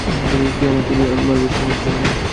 সে আমার ছেলে, আমি মারব।